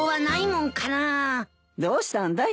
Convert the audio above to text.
どうしたんだい？